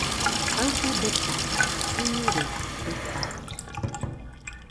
Aɨfɨ betade, ɨniroi dotade